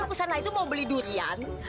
ustaz itu mau beli durian